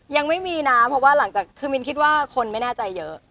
ยังไม่มีนะเพราะว่าหลังจากคือมินคิดว่าคนไม่แน่ใจเยอะ